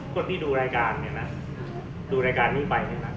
คนที่ดูรายการเนี่ยนะดูรายการนี้ไปเนี่ยนะ